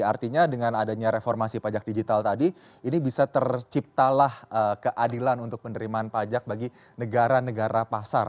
artinya dengan adanya reformasi pajak digital tadi ini bisa terciptalah keadilan untuk penerimaan pajak bagi negara negara pasar